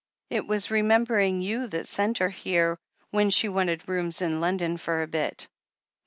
It was remembering you that sent her here, when she wanted rooms in London for a bit.